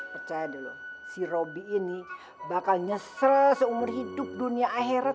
percaya dulu si robi ini bakal nyesel seumur hidup dunia akhirat